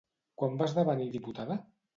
Quan va esdevenir diputada?